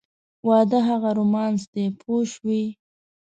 واده هغه رومانس دی پوه شوې!.